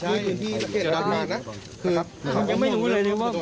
มันจะเลยช่อกกำลังถึงไหน